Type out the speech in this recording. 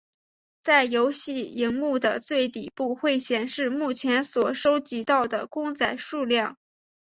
在游戏萤幕的最底部会显示目前所收集到的公仔数量。